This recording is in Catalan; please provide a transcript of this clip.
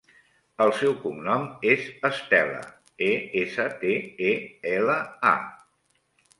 El seu cognom és Estela: e, essa, te, e, ela, a.